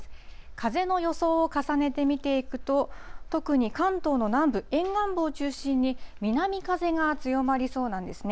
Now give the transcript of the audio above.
風の予想を重ねて見ていくと、特に関東の南部、沿岸部を中心に、南風が強まりそうなんですね。